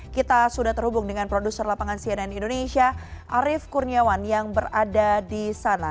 kita sudah terhubung dengan produser lapangan cnn indonesia arief kurniawan yang berada di sana